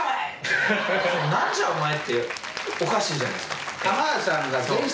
「なんじゃお前」っておかしいじゃないですか？